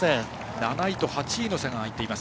７位と８位の差が開いています。